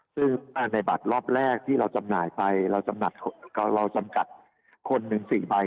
ซึ่งอันใดบัตรรอบแรกที่เราจำหน่ายไปเราจำกัดคนค้น๑๔ใบ